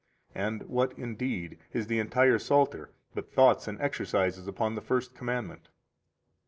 And what, indeed, is the entire Psalter but thoughts and exercises upon the First Commandment?